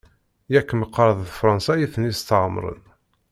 Yak meqqar d Fransa i ten-isetɛemren?